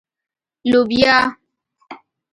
🫘 لبیا